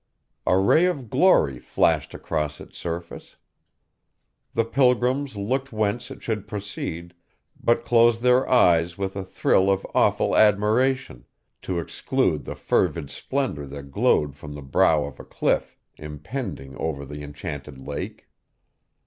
A ray of glory flashed across its surface. The pilgrims looked whence it should proceed, but closed their eyes with a thrill of awful admiration, to exclude the fervid splendor that glowed from the brow of a cliff impending over the enchanted lake.